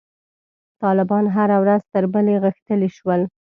طالبان هره ورځ تر بلې غښتلي شول.